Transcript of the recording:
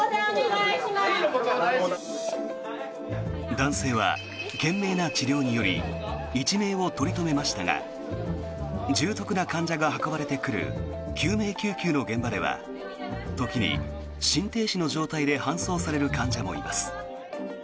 男性は懸命な治療により一命を取り留めましたが重篤な患者が運ばれてくる救命救急の現場では時に心停止の状態で搬送される患者もいます。